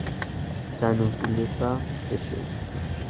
Ça ne voulait pas sécher.